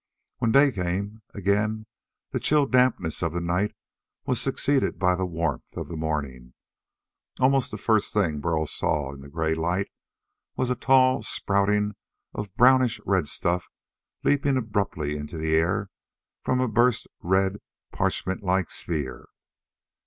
When day came again, and the chill dampness of the night was succeeded by the warmth of the morning, almost the first thing Burl saw in the gray light was a tall spouting of brownish red stuff leaping abruptly into the air from a burst red parchment like sphere.